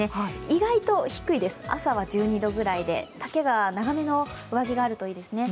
意外と低いです、朝は１２度くらいで、丈が長めの上着があるといいですね。